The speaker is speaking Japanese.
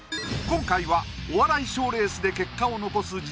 今回はお笑い賞レースで結果を残す